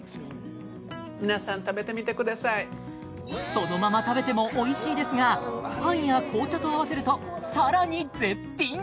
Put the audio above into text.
そのまま食べてもおいしいですがパンや紅茶と合わせるとさらに絶品！